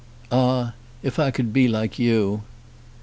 "Ah, if I could be like you!"